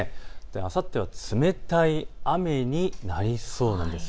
あさっては冷たい雨になりそうなんです。